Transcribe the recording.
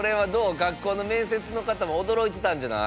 学校の面接の方も驚いてたんじゃない？